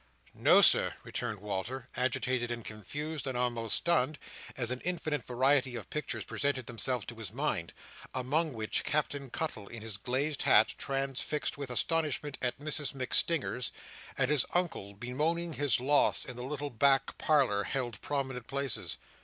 "No, Sir," returned Walter, agitated and confused, and almost stunned, as an infinite variety of pictures presented themselves to his mind; among which Captain Cuttle, in his glazed hat, transfixed with astonishment at Mrs MacStinger's, and his uncle bemoaning his loss in the little back parlour, held prominent places.